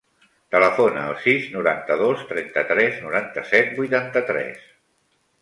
Telefona al sis, noranta-dos, trenta-tres, noranta-set, vuitanta-tres.